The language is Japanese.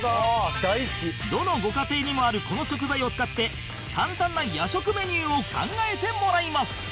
どのご家庭にもあるこの食材を使って簡単な夜食メニューを考えてもらいます